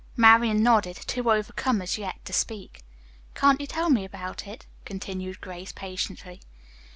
Marian nodded, too overcome as yet to speak. "Can't you tell me about it?" continued Grace patiently.